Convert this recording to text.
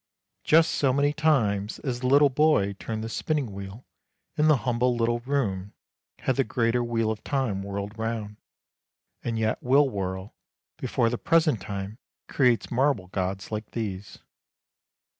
Just so many times as the little boy turned the spinning wheel in the humble little room had the greater wheel of time whirled round, and yet will whirl, before the present time creates marble gods like these.